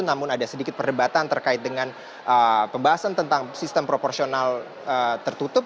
namun ada sedikit perdebatan terkait dengan pembahasan tentang sistem proporsional tertutup